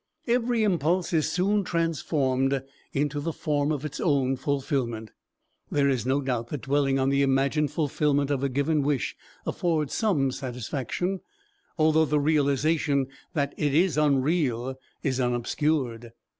Every impulse is soon transformed into the form of its own fulfillment. There is no doubt that dwelling on the imagined fulfillment of a given wish affords some satisfaction, although the realization that it is unreal is unobscured.